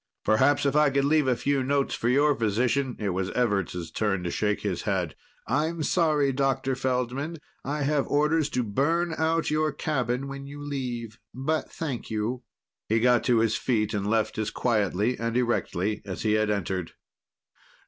Perhaps if I could leave a few notes for your physician " It was Everts' turn to shake his head. "I'm sorry, Dr. Feldman. I have orders to burn out your cabin when you leave. But thank you." He got to his feet and left as quietly and erectly as he had entered.